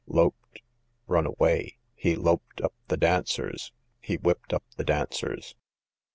Lop'd, run away; he lop'd up the dancers, he whipped up the dancers.